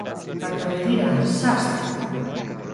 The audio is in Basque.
Baina, begira, sast!